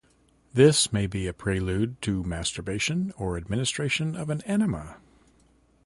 This may be a prelude to masturbation or administration of an enema.